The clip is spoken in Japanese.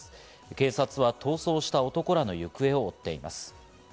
警察は逃走した男らの行方を追っています。